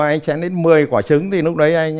anh sẽ đến một mươi quả trứng thì lúc đấy anh